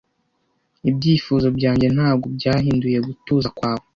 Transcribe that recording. ibyifuzo byanjye ntabwo byahinduye gutuza kwawe